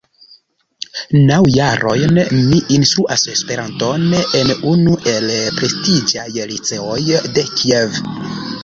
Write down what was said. Naŭ jarojn mi instruas Esperanton en unu el prestiĝaj liceoj de Kiev.